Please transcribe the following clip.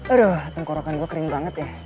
aduh tengkorokan gue kering banget ya